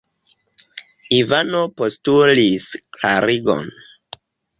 Ivano postulis klarigon.